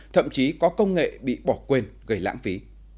thậm chí có công nghệ bị bỏ quên gây lãng phí